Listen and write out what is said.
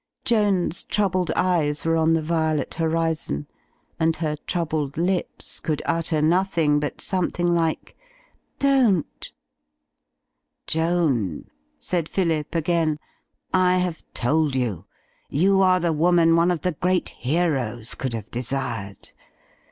Joan's troubled eyes were on the violet horizon and her troubled lips could utter nothing but something like "don^" "Joan," said Phillip, again, "I have told you, you are the woman one of the great heroes cotdd have de sired.